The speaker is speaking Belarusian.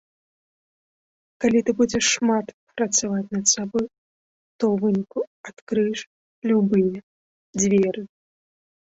Калі ты будзеш шмат працаваць над сабой, то ў выніку адкрыеш любыя дзверы.